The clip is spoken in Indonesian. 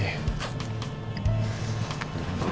bisa lama sudah rumah